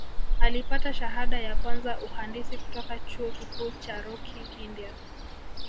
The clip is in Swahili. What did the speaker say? Alipata shahada ya kwanza uhandisi kutoka Chuo Kikuu cha Rokii India